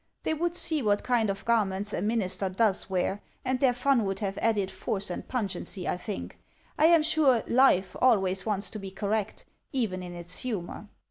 — they would see what kind of garments a minister does wear, and their fun would have added force and pungency, I J;hink. I am sure Life always wants to be correct, even in its humor.